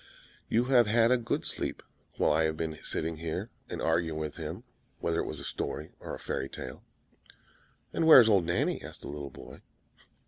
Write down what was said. "You have had a good sleep while I have been sitting here, and arguing with him whether it was a story or a fairy tale." "And where is old Nanny?" asked the little boy.